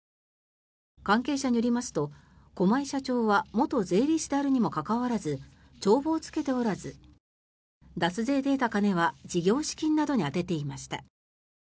関係者によりますと駒井社長は元税理士であるにもかかわらず帳簿をつけておらず脱税で得た金は事業資金などに充てていました。